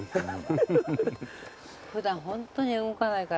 普段ホントに動かないから。